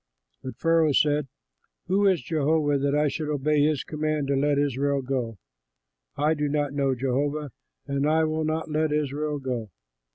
'" But Pharaoh said, "Who is Jehovah that I should obey his command to let Israel go? I do not know Jehovah, and I will not let Israel go."